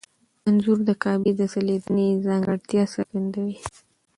انځور د کعبې د ځلېدنې ځانګړتیا څرګندوي.